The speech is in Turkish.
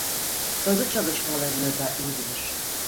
Kazı çalışmalarını da iyi bilir.